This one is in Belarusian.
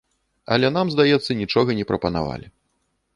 Але нам, здаецца, нічога не прапанавалі.